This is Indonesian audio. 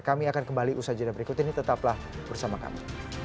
kami akan kembali usaha jadwal berikut ini tetaplah bersama kami